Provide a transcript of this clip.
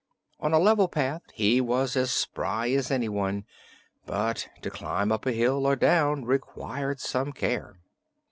On a level path he was as spry as anyone, but to climb up hill or down required some care.